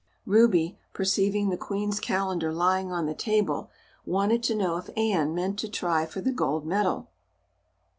Ruby, perceiving the Queen's calendar lying on the table, wanted to know if Anne meant to try for the gold medal.